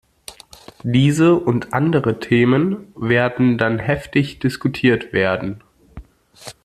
Diese und andere Themen werden dann heftig diskutiert werden.